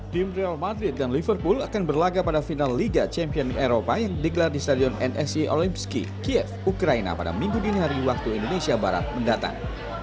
tim real madrid dan liverpool akan berlaga pada final liga champion eropa yang digelar di stadion nsi olimpisky kiev ukraina pada minggu dini hari waktu indonesia barat mendatang